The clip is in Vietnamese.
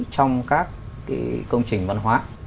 trong các cái công trình văn hóa